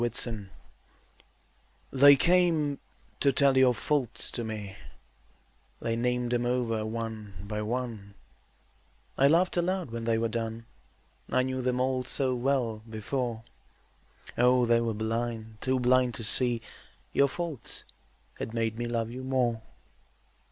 Faults They came to tell your faults to me, They named them over one by one; I laughed aloud when they were done, I knew them all so well before, Oh, they were blind, too blind to see Your faults had made me love you more.